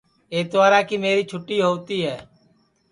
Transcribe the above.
اتوارا کی میری چھوٹی ہؤتی ہے